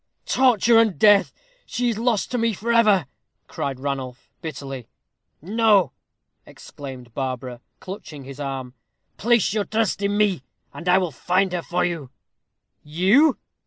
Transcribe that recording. "Torture and death! She is lost to me for ever!" cried Ranulph, bitterly. "No!" exclaimed Barbara, clutching his arm. "Place your trust in me, and I will find her for you." "You!"